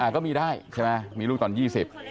ก็มีได้ใช่ไหมมีลูกตอน๒๐